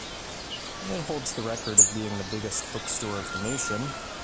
It holds the record of being the biggest book store of the nation.